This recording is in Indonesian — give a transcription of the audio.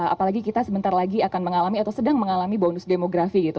apalagi kita sebentar lagi akan mengalami atau sedang mengalami bonus demografi gitu